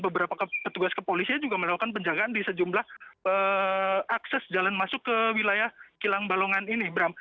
beberapa petugas kepolisian juga melakukan penjagaan di sejumlah akses jalan masuk ke wilayah kilang balongan ini bram